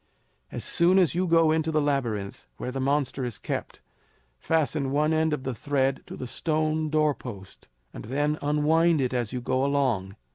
"As soon as you go into the Labyrinth where the monster is kept, fasten one end of the thread to the stone doorpost, and then unwind it as you go along.